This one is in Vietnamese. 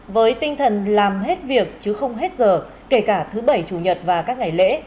với tinh thần làm hết việc chứ không hết giờ kể cả thứ bảy chủ nhật và các ngày lễ